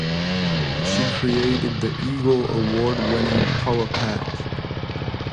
She created the Eagle Award-winning "Power Pack".